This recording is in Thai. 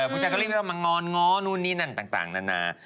ผู้ชายก็รีบมางอนง้อนู่นนี่นั่นต่างนานา